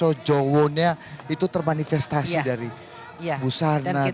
dan kekuonnya itu termanifestasi dari busana dekorasi